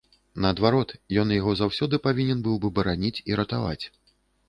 Наадварот, ён яго заўсёды павінен быў бы бараніць і ратаваць.